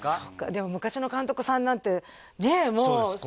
でも昔の監督さんなんてねえそうです